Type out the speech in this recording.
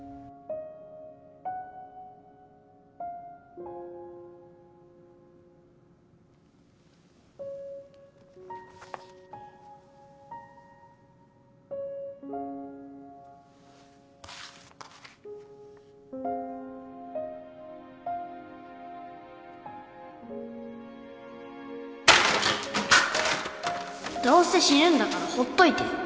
どうせ死ぬんだからほっといてよ